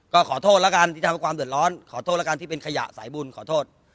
ก็ขอโทษแล้วกันที่ทำให้ความเดือดร้อนขอโทษแล้วกันที่เป็นขยะสายบุญขอโทษ